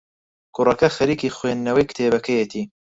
کوڕەکە خەریکی خوێندنەوەی کتێبەکەیەتی.